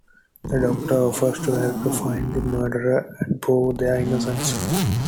The Doctor offers to help to find the murderer and prove their innocence.